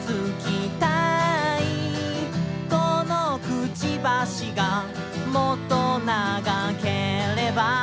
「このくちばしがもっと長ければ」